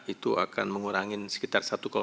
itu akan mengurangi sekitar